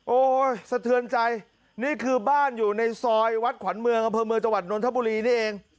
โอ้โหสะเทือนใจนี่คือบ้านอยู่ในซอยวัดขวัญเมืองอำเภอเมืองจังหวัดนทบุรีนี่เอง